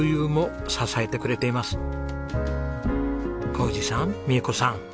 宏二さん美恵子さん